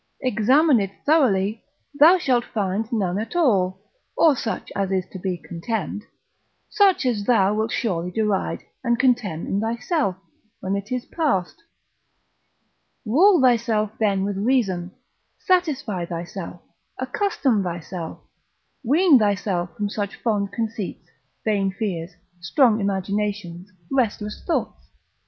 examine it thoroughly, thou shalt find none at all, or such as is to be contemned; such as thou wilt surely deride, and contemn in thyself, when it is past. Rule thyself then with reason, satisfy thyself, accustom thyself, wean thyself from such fond conceits, vain fears, strong imaginations, restless thoughts.